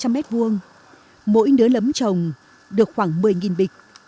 mỗi đứa nấm trồng được khoảng một mươi bịch